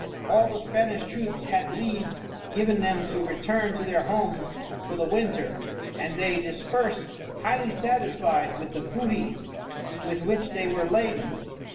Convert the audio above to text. All the Spanish troops had leave given them to return to their homes for the winter, and they dispersed highly satisfied with the booty with which they were laden.